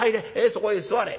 そこへ座れ。